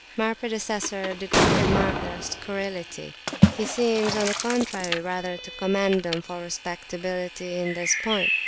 My predecessor did not remark their scurrility: he seems, on the contrary, rather to commend them for respectability in this point.